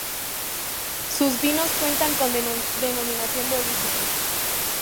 Sus vinos cuentan con denominación de origen.